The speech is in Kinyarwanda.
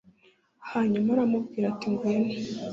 hanyuma aramubwira ati ngwino